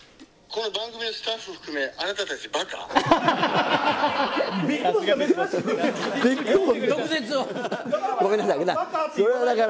この番組のスタッフ含めあなたたち、ばか。